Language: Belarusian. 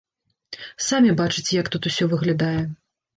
Самі бачыце, як тут усё выглядае.